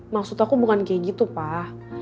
maksud aku bukan kayak gitu pak